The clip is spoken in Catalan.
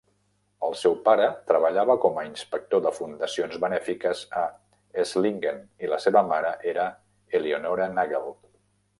El seu pare treballava com a inspector de fundacions benèfiques a Esslingen i la seva mare era Eleonora Nagel.